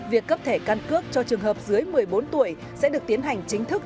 việc cấp thẻ căn cước cho trường hợp dưới một mươi bốn tuổi sẽ được tiến hành chính thức